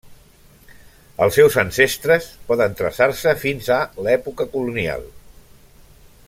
Els seus ancestres poden traçar-se fins a l'època colonial.